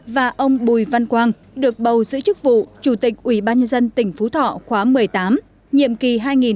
và ông bùi văn quang được bầu giữ chức vụ chủ tịch ủy ban nhân dân tỉnh phú thọ khóa một mươi tám nhiệm kỳ hai nghìn một mươi sáu hai nghìn hai mươi một